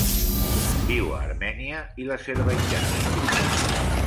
Viu a Armènia i l'Azerbaidjan.